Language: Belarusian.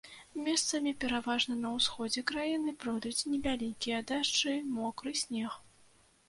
Месцамі, пераважна на ўсходзе краіны, пройдуць невялікія дажджы, мокры снег.